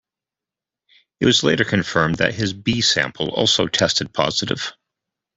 It was later confirmed that his B-sample also tested positive.